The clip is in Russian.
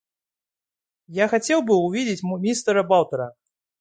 Я хотел бы увидеть мистера Батлера.